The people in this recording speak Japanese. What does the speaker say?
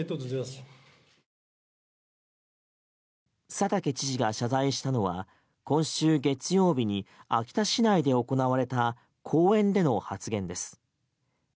佐竹知事が謝罪したのは今週月曜日に秋田市内で行われた講演での発言です。